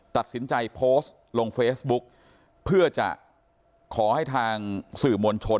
ตัดสินใจโพสต์ลงเฟซบุ๊กเพื่อจะขอให้ทางสื่อมวลชน